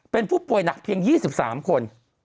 เป็นผู้ป่วยหนักเพียง๒๓คน